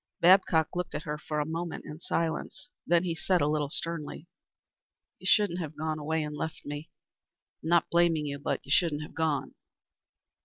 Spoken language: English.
Babcock looked at her for a moment in silence, then he said, a little sternly, "You shouldn't have gone away and left me. I'm not blaming you, but you shouldn't have gone."